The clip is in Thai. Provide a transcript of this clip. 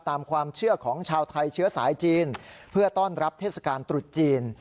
ตามความเชื่อของชาวไทยเชื้อสายจีนเพื่อต้อนรับเทศกาลตรุษจีน